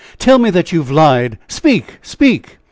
tell me that you have lied? Speak! speak!"